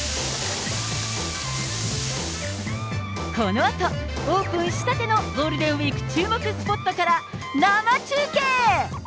このあと、オープンしたてのゴールデンウィーク注目スポットから、生中継。